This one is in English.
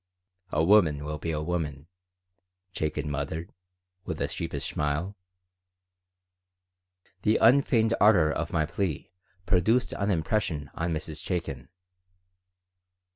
"A woman will be a woman," Chaikin muttered, with his sheepish smile The unfeigned ardor of my plea produced an impression on Mrs. Chaikin.